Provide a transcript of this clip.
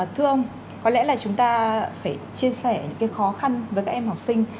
thưa ông có lẽ là chúng ta phải chia sẻ những khó khăn với các em học sinh